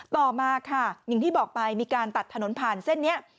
ต่อมาค่ะอย่างที่บอกไปมีการตัดถนนผ่านเส้นนี้